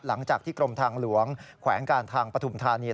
หลังจากที่กรมทางหลวงแขวงการทางปฐุมธานี